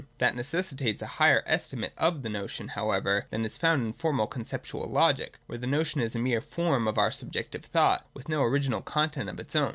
That necessitates a higher estimate of the notion, however, than is found in formal conceptuahst Logic, where the notion is a mere form of our subjective thought, with no original content of its owm.